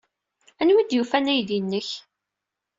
Anwa ay d-yufan aydi-nnek?